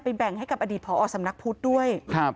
ไปแบ่งให้กับอาทิตย์พรออสำนักพุธด้วย